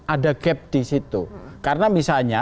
ada gap di situ karena misalnya